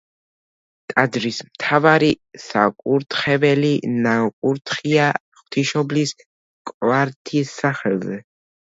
ტაძრის მთავარი საკურთხეველი ნაკურთხია ღვთისმშობლის კვართის სახელზე.